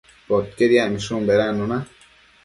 Poquied yacmishun bedannuna